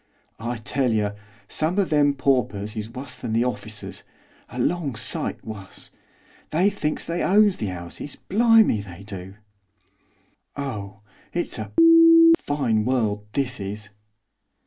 'I tell yer some of them paupers is wuss than the orficers, a long sight wuss! They thinks they owns the 'ouses, blimey they do. Oh it's a fine world, this is!